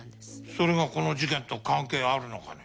それがこの事件と関係があるのかね。